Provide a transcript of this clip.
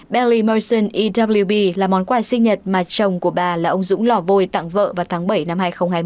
bentley merchant ewb là món quà sinh nhật mà chồng của bà là ông dũng lỏ vôi tặng vợ vào tháng bảy năm hai nghìn hai mươi